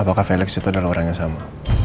apakah felix itu adalah orang yang sama